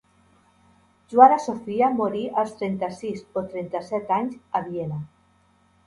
Joana Sofia morí als trenta-sis o trenta-set anys a Viena.